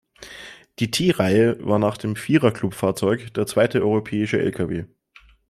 Die T-Reihe war nach dem Vierer-Club-Fahrzeug der zweite „europäische Lkw“.